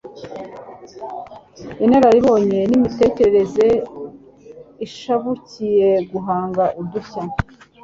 inararibonye n'imitekerereze ishabukiye guhanga udushya.